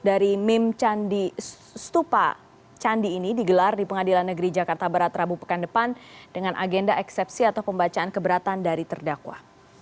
dari mim candi stupa candi ini digelar di pengadilan negeri jakarta barat rabu pekan depan dengan agenda eksepsi atau pembacaan keberatan dari terdakwa